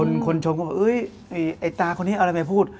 อาจารย์บอกพี่หมออันไลน์มีอะไรมาบอก